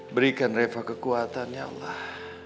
berikan reva kekuatan ya allah